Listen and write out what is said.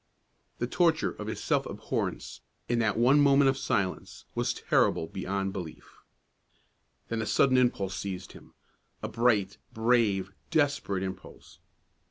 The torture of his self abhorrence, in that one moment of silence, was terrible beyond belief. Then a sudden impulse seized him; a bright, brave, desperate impulse.